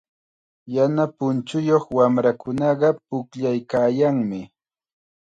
Yana punchuyuq wamrakunaqa pukllaykaayanmi.